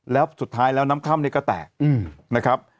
แล้วสุดท้ายแล้วน้ำค่ำเนี่ยก็แตกนะครับ